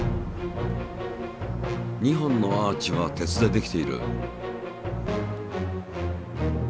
２本のアーチは鉄でできている。